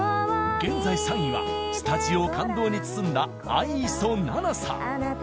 現在３位はスタジオを感動に包んだ相磯菜々さん。